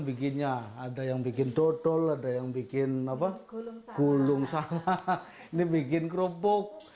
bikinnya ada yang bikin dodol ada yang bikin apa gulung sana ini bikin kerupuk